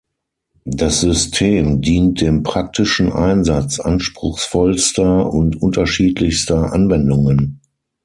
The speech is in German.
Das System dient dem praktischen Einsatz anspruchsvollster und unterschiedlichster Anwendungen.